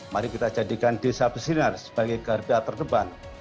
mari kita jadikan desa pesinar sebagai garbeta terdepan